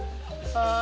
ああ。